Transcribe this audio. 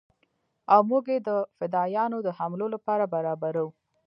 او موږ يې د فدايانو د حملو لپاره برابرو.